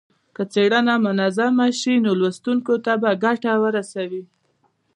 که څېړنه منظمه شي نو لوستونکو ته به ګټه ورسوي.